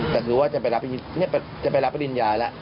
แต่คือว่าจะไปรับจะไปรับปริญญาแล้ว